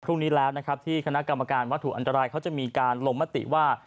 พรุ่งนี้แล้วนะครับที่คณะกรรมการวัตถุอันตรายเขาจะมีการลงมติว่า